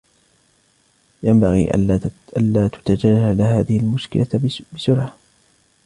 ينبغي ألا تُتَجاهل هذه المشكلة بسرعة.